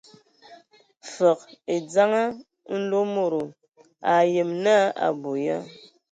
Fəg e dzeŋa Mlomodo, a ayem naa a abɔ ya.